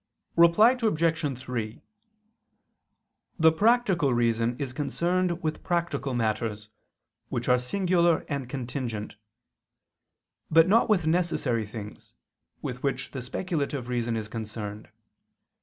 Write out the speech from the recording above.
Reply Obj. 3: The practical reason is concerned with practical matters, which are singular and contingent: but not with necessary things, with which the speculative reason is concerned.